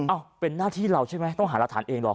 เป็นหน้าที่เราใช่ไหมต้องหารักฐานเองหรอก